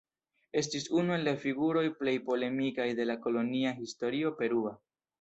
Estis unu el la figuroj plej polemikaj de la kolonia historio perua.